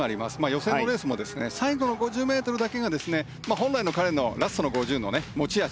予選のレースも最後の５０ｍだけが本来の彼のラストの５０の持ち味